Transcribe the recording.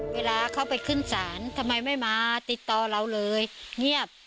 เวลาเขาไปขึ้นศาลทำไมไม่มาติดต่อเราเลยเงียบ